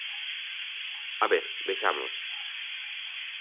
A ver, vexamos.